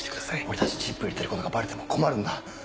俺たちチップ入れてることがバレても困るんだ。